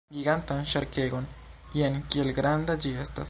Gigantan ŝarkegon! Jen kiel granda ĝi estas!